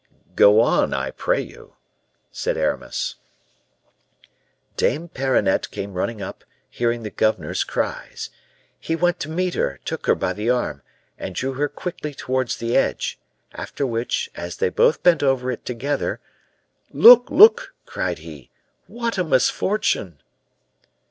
"Go on, I pray you," said Aramis. "Dame Perronnette came running up, hearing the governor's cries. He went to meet her, took her by the arm, and drew her quickly towards the edge; after which, as they both bent over it together, 'Look, look,' cried he, 'what a misfortune!